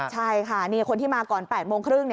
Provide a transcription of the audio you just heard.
ใช่ค่ะคนที่มาก่อน๘๓๐น